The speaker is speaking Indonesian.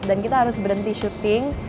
dan kita harus berhenti syuting